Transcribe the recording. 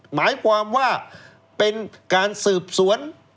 หมายความว่าเป็นการสืบสวน